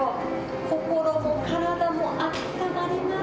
心も体もあったまります。